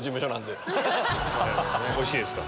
おいしいですか？